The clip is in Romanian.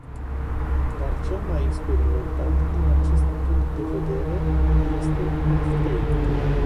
Dar cel mai experimentat din acest punct de vedere este maftei.